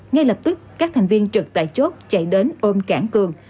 ngay lập tức các thành viên trực tại chốt chạy đến ôm cảng cường